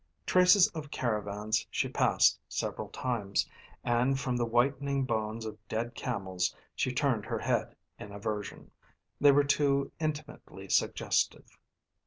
Traces of caravans she passed several times, and from the whitening bones of dead camels she turned her head in aversion they were too intimately suggestive.